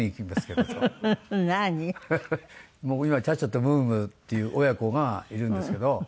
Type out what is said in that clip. チャチャとムームーっていう親子がいるんですけど。